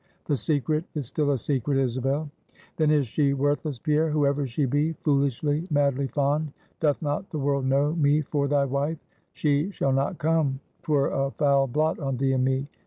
"The secret is still a secret, Isabel." "Then is she worthless, Pierre, whoever she be foolishly, madly fond! Doth not the world know me for thy wife? She shall not come! 'Twere a foul blot on thee and me.